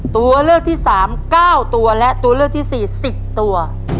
ตัวเลือดที่สามเก้าตัวและตัวเลือดที่สี่สิบตัว